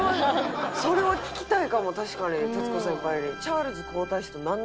それは聞きたいかも確かに徹子先輩に。